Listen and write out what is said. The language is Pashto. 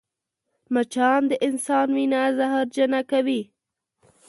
مچان د انسان وینه زهرجنه کوي